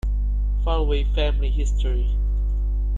"Falvey Family History".